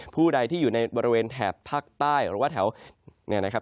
ผู้ใดที่อยู่ในบริเวณแถบภาคใต้หรือว่าแถวเนี่ยนะครับ